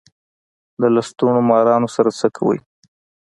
د لستوڼو مارانو سره څه کئ.